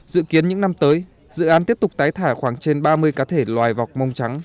dự kiến những năm tới dự án tiếp tục tái thả khoảng trên ba mươi cá thể loài vọc mông trắng